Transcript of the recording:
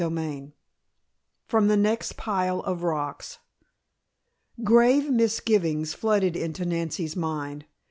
CHAPTER IV FROM THE NEXT PILE OF ROCKS Grave misgivings flooded into Nancy's mind.